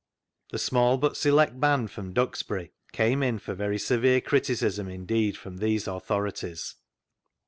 The small but select band from Duxbury came in for very severe criticism indeed from these authorities.